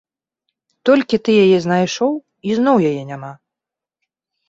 Толькі ты яе знайшоў, і зноў яе няма.